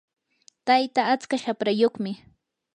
tayta atska shaprayuqmi.